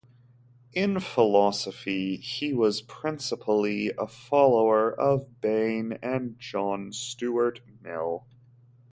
In philosophy he was principally a follower of Bain and John Stuart Mill.